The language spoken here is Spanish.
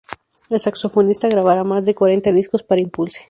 El saxofonista grabaría más de cuarenta discos para Impulse!